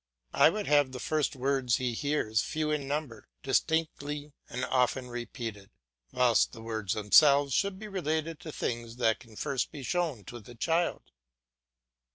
I would have the first words he hears few in number, distinctly and often repeated, while the words themselves should be related to things which can first be shown to the child.